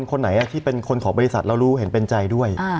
คนไหนที่เป็นคนของบริษัทแล้วรู้เห็นเป็นใจด้วย